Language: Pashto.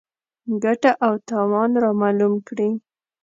ګټه او تاوان رامعلوم کړي.